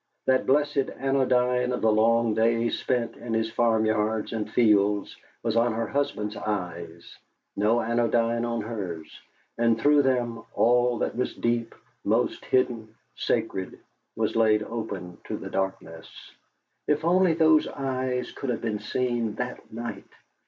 That blessed anodyne of the long day spent in his farmyards and fields was on her husband's eyes no anodyne on hers; and through them, all that was deep, most hidden, sacred, was laid open to the darkness. If only those eyes could have been seen that night!